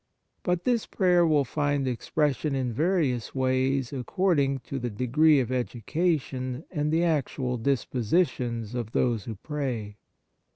But this prayer will find expression in various ways according to the degree of education and the actual disposi tions of those who pray.